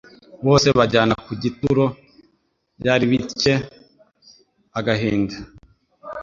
Bose bajyana ku gituro. Byari bitcye agahinda.